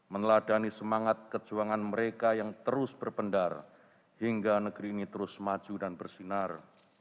meneladani semangat kejuangan mereka yang terus berpendar hingga negeri ini terus maju dan bersinar